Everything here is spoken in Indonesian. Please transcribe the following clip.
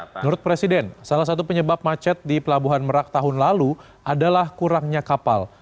menurut presiden salah satu penyebab macet di pelabuhan merak tahun lalu adalah kurangnya kapal